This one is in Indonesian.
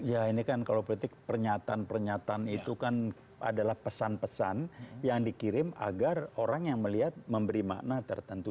ya ini kan kalau politik pernyataan pernyataan itu kan adalah pesan pesan yang dikirim agar orang yang melihat memberi makna tertentu